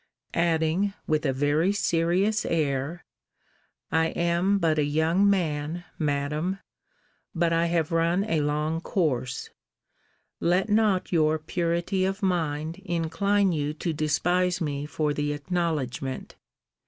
Adding, with a very serious air I am but a young man, Madam; but I have run a long course: let not your purity of mind incline you to despise me for the acknowledgement.